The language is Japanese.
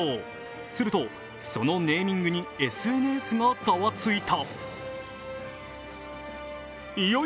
すると、そのネーミングにＳＮＳがザワついた。